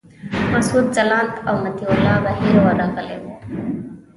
مسعود ځلاند او مطیع الله بهیر ورغلي وو.